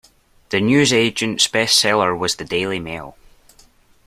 The newsagent’s best seller was The Daily Mail